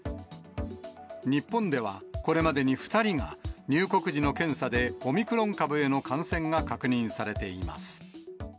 日本では、これまでに２人が入国時の検査でオミクロン株への感染が確認されています。